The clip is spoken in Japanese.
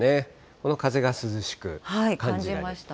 この風が涼しく感じられます。